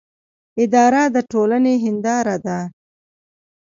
اداره د ټولنې هنداره ده